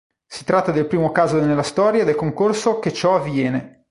Si tratta del primo caso nella storia del concorso che ciò avviene.